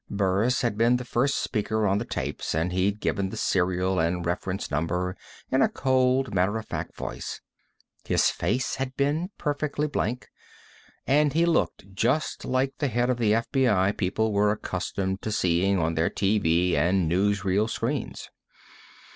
Burris had been the first speaker on the tapes, and he'd given the serial and reference number in a cold, matter of fact voice. His face had been perfectly blank, and he looked just like the head of the FBI people were accustomed to seeing on their TV and newsreel screens.